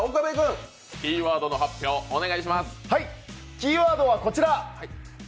キーワードはこちら！